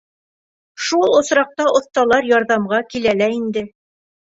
Шул осраҡта оҫталар ярҙамға килә лә инде.